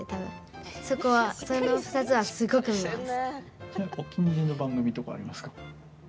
その２つは、すごく見ます。